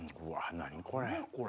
何これ。